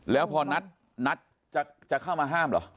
แล้วพอนัดจะเข้ามาห้ามเหรอ